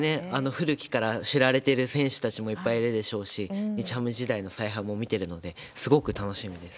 古くから知られてる選手たちもいっぱいいるでしょうし、日ハム時代の采配も見ているので、すごく楽しみです。